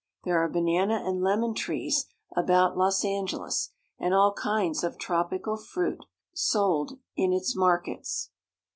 There are banana and lemon trees about Los Angeles, and all kinds of tropi cal fruits are sold in its markets.